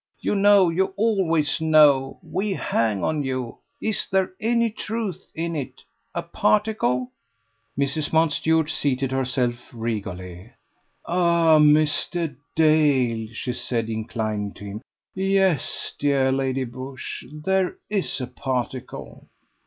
You know, you always know; we hang on you. Is there any truth in it? a particle?" Mrs. Mountstuart seated herself regally "Ah, Mr. Dale!" she said, inclining to him. "Yes, dear Lady Busshe, there is a particle."